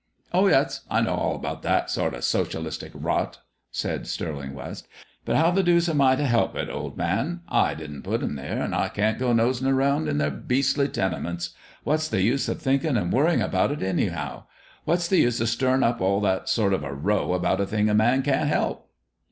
"Oh yes; I know all about that sort of socialistic rot," put in Stirling West. "But how the deuce am I to help it, old man? I didn't put 'em there, and I can't go nosing around in their beastly tenements. What's the use of thinking and worrying about it, anyhow? What's the use of stirring up all that sort of a row about a thing a man can't help?"